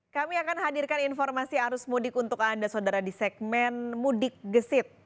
kami akan hadirkan informasi arus mudik untuk anda saudara di segmen mudik gesit